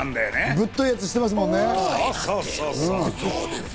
ぶっといやつしてますもんね。